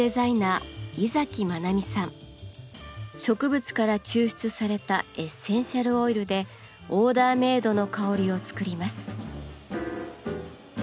植物から抽出されたエッセンシャルオイルでオーダーメードの香りを作ります。